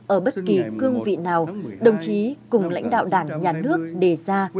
ở bất kỳ cương vị nào đồng chí cùng lãnh đạo đảng nhà nước đề ra